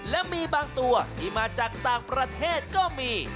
และมีบางตัวที่มาจากต่างประเทศก็มี